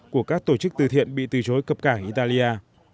của các tổ chức từ thiện bị từ chối cập cảng italia